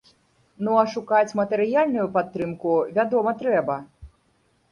Ну, а шукаць матэрыяльную падтрымку, вядома, трэба.